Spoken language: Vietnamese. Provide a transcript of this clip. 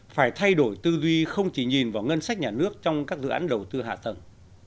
phải thay đổi tư duy không chỉ nhìn vào ngân sách nhà nước trong các dự án đầu tư hạ tầng